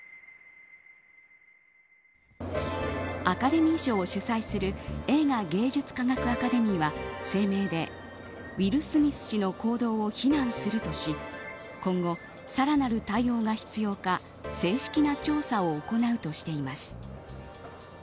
アカデミー賞を主催する映画芸術科学アカデミーは声明でウィル・スミス氏の行動を非難するとし今後、さらなる対応が必要か正式な調査を行うとしています。